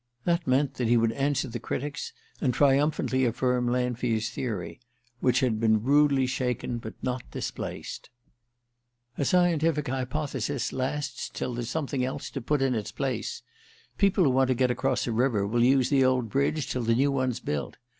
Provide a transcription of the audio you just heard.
That meant that he would answer the critics, and triumphantly affirm Lanfear's theory, which had been rudely shaken, but not displaced. "A scientific hypothesis lasts till there's something else to put in its place. People who want to get across a river will use the old bridge till the new one's built.